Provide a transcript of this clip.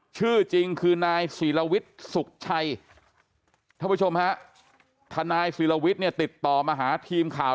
ชื่อจริงคือนายศิลวิทย์สุขชัยท่านผู้ชมฮะทนายศิลวิทย์เนี่ยติดต่อมาหาทีมข่าว